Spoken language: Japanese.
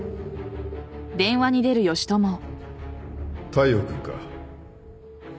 大陽君か。